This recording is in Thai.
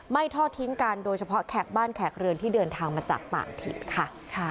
ทอดทิ้งกันโดยเฉพาะแขกบ้านแขกเรือนที่เดินทางมาจากต่างถิ่นค่ะ